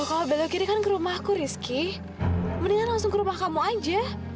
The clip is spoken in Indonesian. kalau belok kiri kan ke rumahku rizky mendingan langsung ke rumah kamu aja